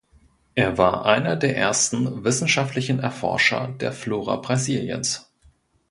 Er war einer der ersten wissenschaftlichen Erforscher der Flora Brasiliens.